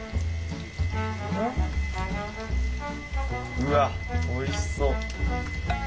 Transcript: うわっおいしそう。